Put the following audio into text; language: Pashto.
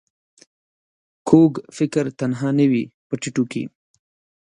کوږ فکر تنها نه وي په ټيټو کې